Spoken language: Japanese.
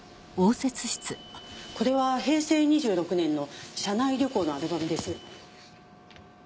これは平成２６年の社内旅行のアルバムです。